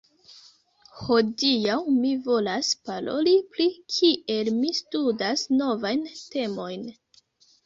Hodiaŭ mi volas paroli pri kiel mi studas novajn temojn